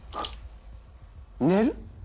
寝る！？